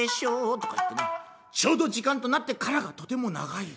ちょうど時間となってからがとても長い。